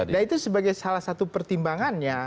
nah itu sebagai salah satu pertimbangannya